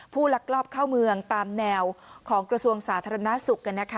ลักลอบเข้าเมืองตามแนวของกระทรวงสาธารณสุข